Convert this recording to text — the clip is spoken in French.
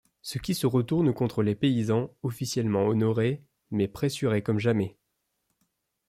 Ce qui se retourne contre les paysans, officiellement honorés, mais pressurés comme jamais.